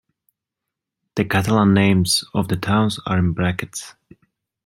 The Catalan names of the towns are in brackets.